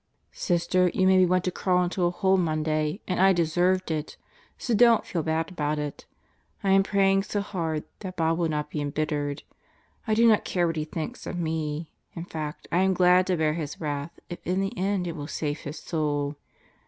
Sister, you made me want to crawl into a hole Monday and I deserved it. So don't feel bad about it. I am praying so hard that Bob will not be embittered. I do not care what he thinks of me. In fact, I am glad to bear his wrath if in the end it will save his soul.